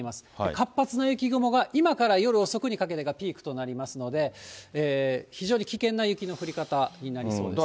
活発な雪雲が、今から夜遅くにかけてがピークとなりますので、非常に危険な雪の降り方になりそうです。